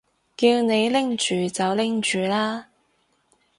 叫你拎住就拎住啦